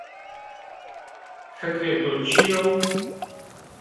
Fikrê to çi yo?